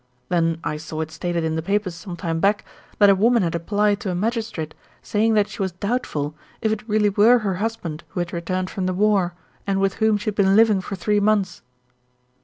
Then I saw it stated in the papers some time back, that a woman had applied to a magistrate saying that she was doubt ful if it really were her husband who had returned from the war, and with whom she had been living for three months."